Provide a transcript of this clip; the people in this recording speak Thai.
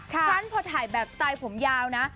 ฉันพอถ่ายแบบสไตล์ผมยาวนะ